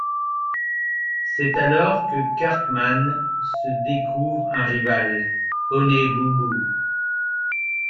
C'est alors que Cartman se découvre un rival, Honey Boo Boo.